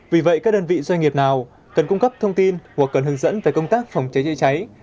vì vậy các đơn vị doanh nghiệp nào cần cung cấp thông tin hoặc cần hướng dẫn về công tác phòng cháy chữa cháy